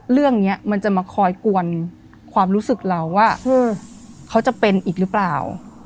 เรื่องนี้มันจะมาคอยกวนความรู้สึกเราว่าเขาจะเป็นอีกหรือเปล่า